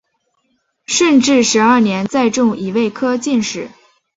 顺治十二年再中乙未科进士。